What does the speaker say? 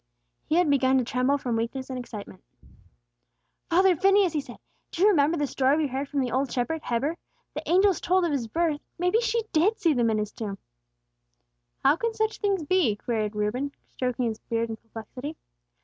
He had begun to tremble from weakness and excitement. [Illustration: "'THE STONE IS GONE!'"] "Father Phineas," he asked, "do you remember the story we heard from the old shepherd, Heber? The angels told of His birth; maybe she did see them in His tomb." "How can such things be?" queried Reuben, stroking his beard in perplexity.